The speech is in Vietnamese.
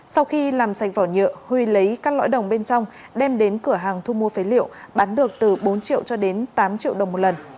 sau khi làm sành vỏ nhựa huy lấy các lõi đồng bên trong đem đến cửa hàng thu mua phế liệu bán được từ bốn triệu cho đến tám triệu đồng một lần